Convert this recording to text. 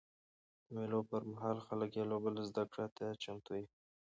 د مېلو پر مهال خلک یو له بله زدهکړې ته چمتو يي.